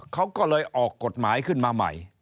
เขาก็เลยออกกฎหมายขึ้นมาใหม่